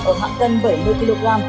ở hạng cân bảy mươi kg